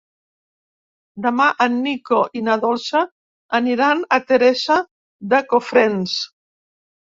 Demà en Nico i na Dolça aniran a Teresa de Cofrents.